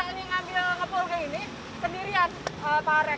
kalau misalnya ngambil ngepul kayak gini sendirian pak arek